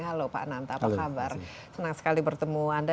halo pak ananta apa kabar senang sekali bertemu anda